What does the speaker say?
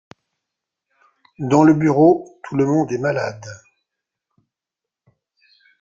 Dans le bureau, tout le monde est malade.